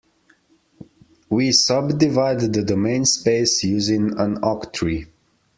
We subdivide the domain space using an octree.